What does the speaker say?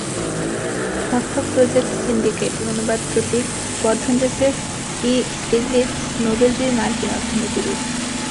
স্বত্ব project syndicate, অনুবাদ প্রতীক বর্ধনজোসেফ ই স্টিগলিৎস নোবেলজয়ী মার্কিন অর্থনীতিবিদ।